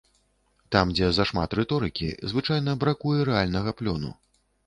Там, дзе зашмат рыторыкі, звычайна бракуе рэальнага плёну.